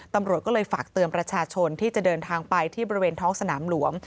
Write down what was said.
ตำรวจก็เลยฝากเตือนประชาชนที่จะเดินทางไปที่บริเวณท้องสนามหลวง